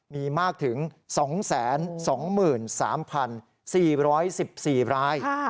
มีมากถึง๒๒๓๔๑๔ราย